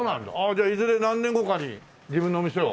じゃあいずれ何年後かに自分のお店を？